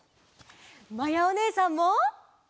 まやおねえさんも。